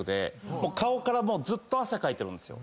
顔からずっと汗かいてるんです。